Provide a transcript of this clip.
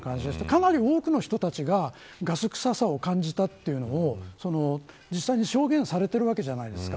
かなり多くの人たちがガス臭さを感じたというのを実際に証言されてるわけじゃないですか。